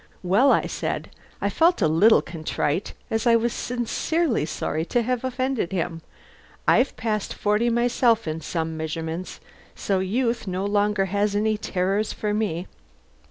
"Well," I said (I felt a little contrite, as I was sincerely sorry to have offended him), "I've passed forty myself in some measurements, so youth no longer has any terrors for me."